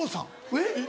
えっ？